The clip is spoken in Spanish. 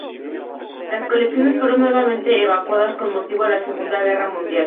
Las colecciones fueron nuevamente evacuadas con motivo de la Segunda Guerra Mundial.